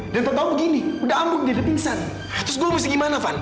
sekarang kamu pakai cincin ini ya